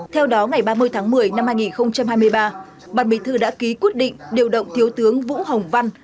theo đó ngày ba mươi tháng một mươi năm hai nghìn hai mươi ba ban bí thư đã ký quyết định điều động thiếu tướng vũ hồng văn